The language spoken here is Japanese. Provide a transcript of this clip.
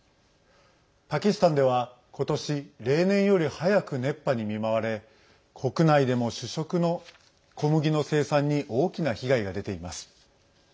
パキスタンでは、ことし例年より早く熱波に見舞われ国内でも主食の小麦の生産に大きな被害が出ています。